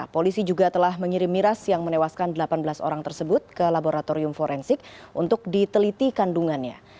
polisi juga telah mengirim miras yang menewaskan delapan belas orang tersebut ke laboratorium forensik untuk diteliti kandungannya